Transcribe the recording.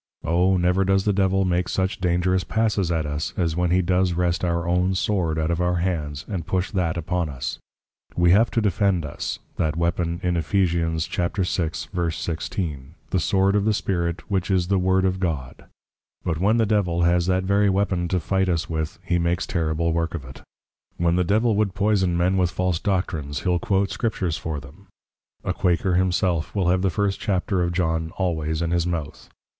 O never does the Devil make such dangerous Passes at us, as when he does wrest our own Sword out of our Hands, and push That upon us. We have to defend us, that Weapon in Eph. 6.16. The Sword of the Spirit, which, is the word of God; but when the Devil has that very Weapon to fight us with, he makes terrible work of it. When the Devil would poyson men with false Doctrines, he'l quote Scriptures for them; a Quaker himself, will have the First Chapter of John always in his mouth.